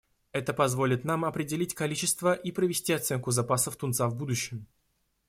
Это позволит нам определить количество и провести оценку запасов тунца в будущем.